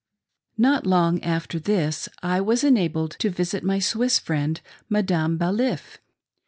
NOT long after this, I was enabled to visit my Swiss friend, Madame Baliff.